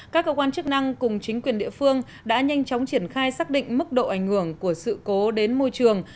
các cơ quan chức năng cùng chính quyền địa phương đã nhanh chóng triển khai xác định mức độ ảnh hưởng của sự cố đến môi trường